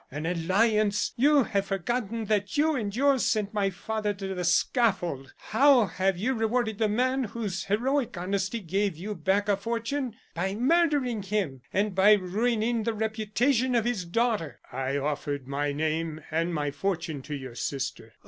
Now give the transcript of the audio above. An alliance! You have forgotten that you and yours sent my father to the scaffold! How have you rewarded the man whose heroic honesty gave you back a fortune? By murdering him, and by ruining the reputation of his daughter." "I offered my name and my fortune to your sister."